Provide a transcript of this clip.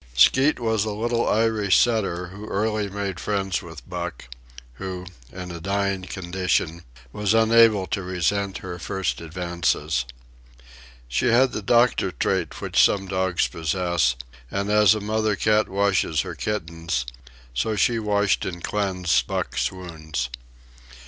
Skeet was a little Irish setter who early made friends with Buck, who, in a dying condition, was unable to resent her first advances. She had the doctor trait which some dogs possess; and as a mother cat washes her kittens, so she washed and cleansed Buck's wounds.